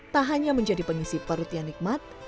tak hanya menjadi pengisi parut yang nikmat